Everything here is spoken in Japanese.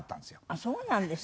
ああそうなんですか。